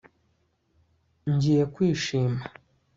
Ngiye kwishima